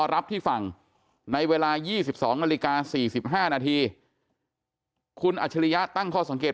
รับที่ฝั่งในเวลา๒๒นาฬิกา๔๕นาทีคุณอัจฉริยะตั้งข้อสังเกต